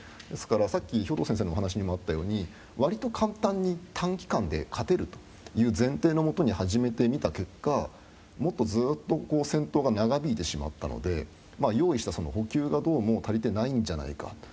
ですから、さっき兵頭先生のお話にもあったように割と簡単に、短期間で勝てるという前提のもとに始めてみた結果、ずっと戦闘が長引いてしまったので用意した補給が、どうも足りてないんじゃないか。